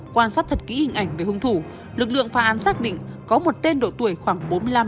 quan sát thật kỹ hình ảnh về hung thủ lực lượng phản án xác định có một tên độ tuổi khoảng bốn mươi năm năm mươi